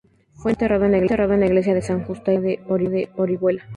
Fue enterrado en la Iglesia de santas Justa y Rufina de Orihuela.